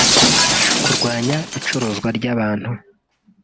kurwanya icuruzwa ry’abantu